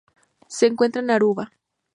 Se encuentra en Aruba.